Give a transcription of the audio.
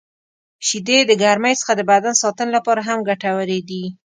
• شیدې د ګرمۍ څخه د بدن ساتنې لپاره هم ګټورې دي.